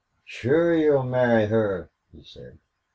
"Sure you'll marry her," he said.